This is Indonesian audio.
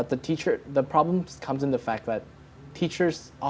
tetapi masalahnya berasal dari